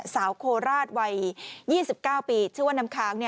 โคราชวัย๒๙ปีชื่อว่าน้ำค้าง